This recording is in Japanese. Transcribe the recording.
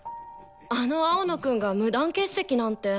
あの青野くんが無断欠席なんて。